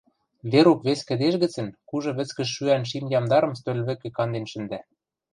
Верук вес кӹдеж гӹцӹн кужы вӹцкӹж шӱӓн шим ямдарым стӧл вӹкӹ канден шӹндӓ.